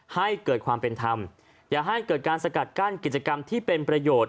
ให้เกิดความเป็นธรรมอย่าให้เกิดการสกัดกั้นกิจกรรมที่เป็นประโยชน์